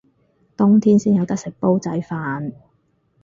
冬天先有得食煲仔飯